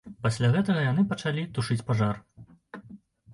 Пасля гэтага яны пачалі тушыць пажар.